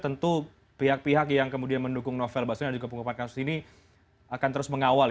tentu pihak pihak yang kemudian mendukung novel bahkan juga pengupatan kasus ini akan terus mengawal ya